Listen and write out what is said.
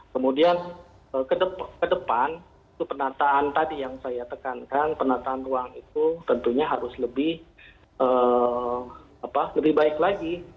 kemudian ke depan itu penataan tadi yang saya tekankan penataan ruang itu tentunya harus lebih baik lagi